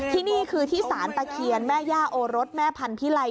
ที่นี่คือที่สารตะเคียนแม่ย่าโอรสแม่พันธิไล